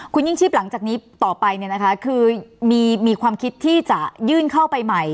คุณยิ่งชีพหลังจากนี้ต่อไปเนี่ยนะคะคือมีความคิดที่จะยื่นเข้าไปใหม่